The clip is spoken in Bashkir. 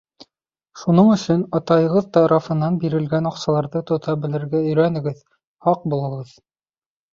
Шуның өсөн атайығыҙ тарафынан бирелгән аҡсаларҙы тота белергә өйрәнегеҙ, һаҡ булығыҙ.